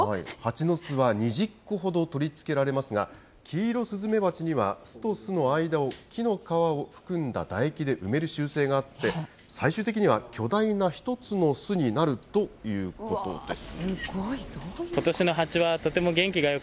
蜂の巣は２０個ほど取り付けられましたが、キイロスズメバチには巣と巣の間を木の皮を含んだ唾液で埋める習性があって、最終的には巨大な１つの巣になるということです。